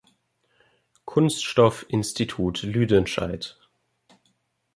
Kunststoff-Institut Lüdenscheid